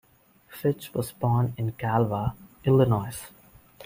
Fitch was born in Galva, Illinois.